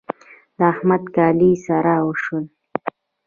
د احمد کالي سره شول.